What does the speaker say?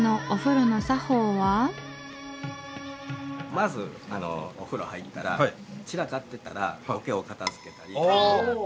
まずお風呂入ったら散らかってたらおけを片づけたり。